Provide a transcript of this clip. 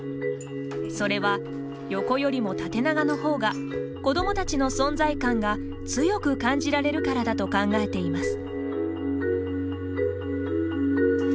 それは、横よりも縦長のほうが子どもたちの存在感が強く感じられるからだと考えています。